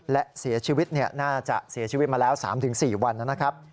และเสียชีวิตน่าจะเสียชีวิตมาแล้ว๓๔วันนะครับ